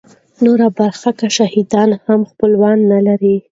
نور برحق شهیدان هم خپلوان نه لري.